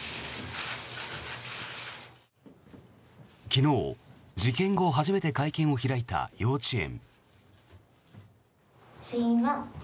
昨日、事件後初めて会見を開いた幼稚園。